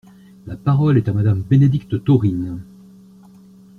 La parole est à Madame Bénédicte Taurine.